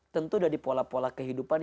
tentu dari pola pola kehidupan